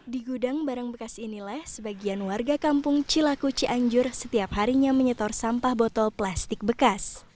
di gudang barang bekas inilah sebagian warga kampung cilaku cianjur setiap harinya menyetor sampah botol plastik bekas